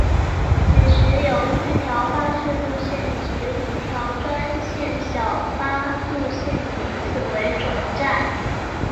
现时有四条巴士路线及五条专线小巴路线以此为总站。